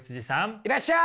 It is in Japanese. いらっしゃい。